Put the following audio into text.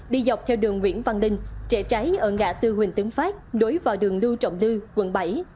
đi dọc theo đường nguyễn văn linh trẻ trái ở ngã tư huỳnh tướng phát đối vào đường lưu trọng lư quận bảy